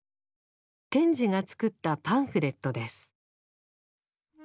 賢治が作ったパンフレットです。